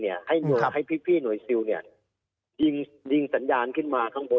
ให้พี่หน่วยซิลยิงสัญญาณขึ้นมาข้างบน